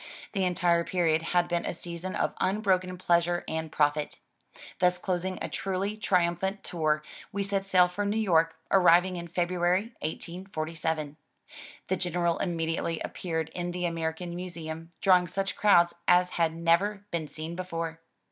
The entire period had been a season of unbroken pleasure and profit. Thus closing a truly triimiphant tour, we set sail for New York, arriving in February, 1847. The General immediately appeared in the American Museum, drawing such crowds as had never been seen before.